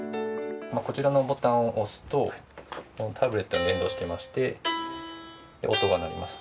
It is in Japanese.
こちらのボタンを押すとタブレットに連動していまして音が鳴ります。